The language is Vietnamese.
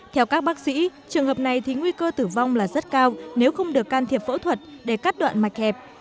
theo các bác sĩ trường hợp này thì nguy cơ tử vong là rất cao nếu không được can thiệp phẫu thuật để cắt đoạn mạch hẹp